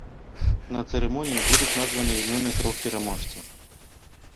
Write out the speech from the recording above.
На цырымоніі будуць названыя імёны трох пераможцаў.